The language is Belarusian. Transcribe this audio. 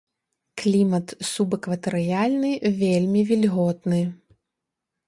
Клімат субэкватарыяльны, вельмі вільготны.